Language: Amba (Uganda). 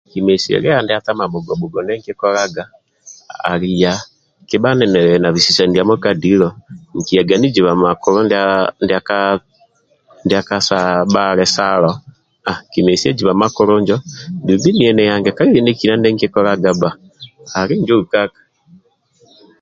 Kimesia lia ndia tamabhugo bhugo ndie nkikolaga nikiyaga ndie nkikola nkiyaga ali iya kabha ninili na bisisani ndiamo ka dilo nkiyaga niziba makulu ndia ndia ka ka saha bhali salo kimesia kiziba makulu njo dumbi niye nihange kalibe ndie kina ndi nkikolaga bba ali injo ukaka